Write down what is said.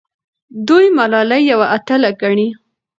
دوی ملالۍ یوه اتله ګڼي.